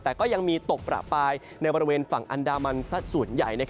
แต่ก็ยังมีตกประปายในบริเวณฝั่งอันดามันสักส่วนใหญ่